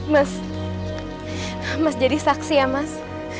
mas mas jadi saksi ya mas